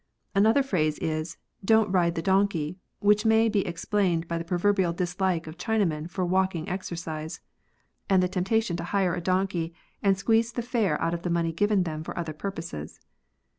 Another phrase is, Dorit ride the donhey, which may be ex plained by the proverbial dislike of Chinamen for walking exercise, and the temptation to hire a donkey, and squeeze the fare out of the money given them for other purposes.